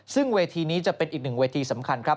ซึ่งเวทีนี้จะเป็นอีกหนึ่งเวทีสำคัญครับ